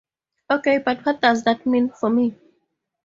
Okay, but what does that mean for me?